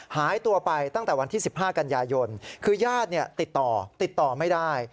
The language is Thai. หายตัวไปตั้งแต่วันที่๑๕กันยายนคือญาติติดต่อติดต่อไม่ได้